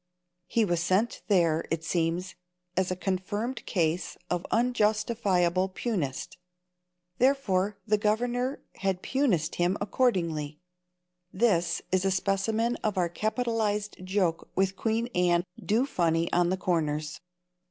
He was sent there, it seems, as a confirmed case of unjustifiable Punist. Therefore the governor had Punist him accordingly. This is a specimen of our capitalized joke with Queen Anne do funny on the corners.